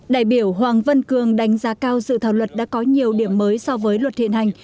đại biểu hoàng vân cường đánh giá cao sự thảo luật đã có nhiều điểm mới so với luật hiện hành